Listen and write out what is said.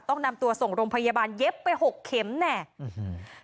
ต้องนำตัวส่งโรงพยาบาลเย็บไปหกเข็มแน่อื้อหือ